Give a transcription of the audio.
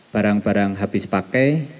barang barang habis pakai